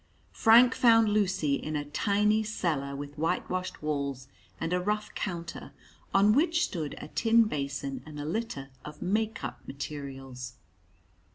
Frank found Lucy in a tiny cellar with whitewashed walls and a rough counter, on which stood a tin basin and a litter of "make up" materials.